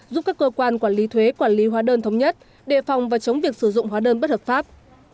giúp các cơ quan quản lý thuế quản lý hóa đơn thống nhất đề phòng và chống việc sử dụng hóa đơn bất hợp pháp